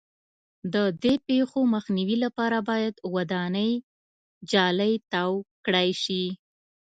د دې پېښو مخنیوي لپاره باید ودانۍ جالۍ تاو کړای شي.